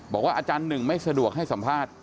อาจารย์หนึ่งไม่สะดวกให้สัมภาษณ์